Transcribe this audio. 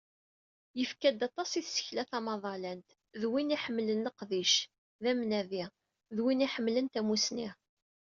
Yefka-d aṭas i tsekla tamaḍalant, d win iḥemmlen leqdic, d amnadi, d win iḥemmlen tamussni.